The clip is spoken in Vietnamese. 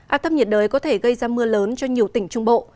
áp thấp nhiệt đới có thể gây ra mưa lớn cho nhiều tỉnh trung bộ